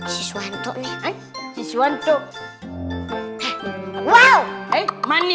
kalian yang ini